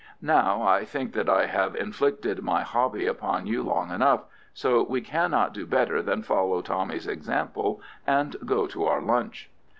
How, I think that I have inflicted my hobby upon you long enough, so we cannot do better than follow Tommy's example, and go to our lunch."